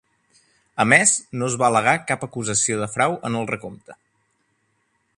A més, no es va al·legar cap acusació de frau en el recompte.